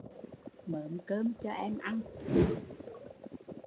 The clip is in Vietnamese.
Mớm cơm cho em ăn